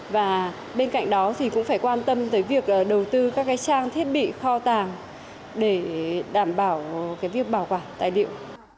và bên cạnh đó thì cũng phải quan tâm tới việc đầu tư các cái trang thiết bị kho tàng để đảm bảo cái việc bảo quản tài liệu